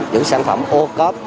những sản phẩm ô cốt